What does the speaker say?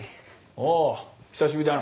お久しぶりだな。